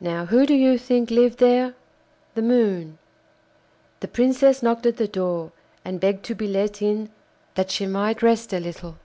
Now who do you think lived there? The Moon. The Princess knocked at the door, and begged to be let in that she might rest a little.